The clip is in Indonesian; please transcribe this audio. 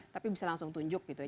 tapi bisa langsung tunjuk gitu ya